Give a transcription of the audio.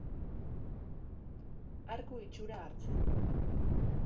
Arku itxura hartzen du.